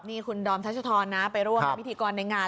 นี่คุณดอมทัชธรนะไปร่วมเป็นพิธีกรในงาน